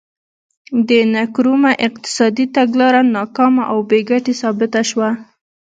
د نکرومه اقتصادي تګلاره ناکامه او بې ګټې ثابته شوه.